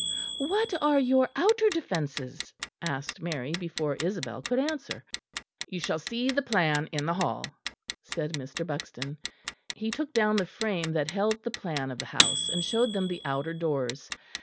"What are your outer defences?" asked Mary, before Isabel could answer. "You shall see the plan in the hall," said Mr. Buxton. He took down the frame that held the plan of the house, and showed them the outer doors.